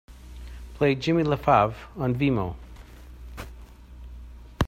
Play Jimmy Lafave on Vimeo.